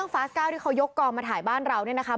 ฟาส๙ที่เขายกกองมาถ่ายบ้านเราเนี่ยนะคะ